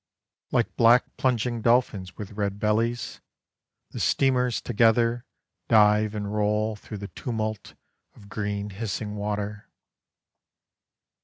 Like black plunging dolphins with red bellies, The steamers together Dive and roll through the tumult Of green hissing water.